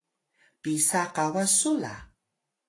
pisa kawas su la?